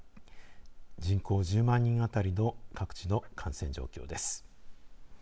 人口１０万人あたりの各地の感染状況です。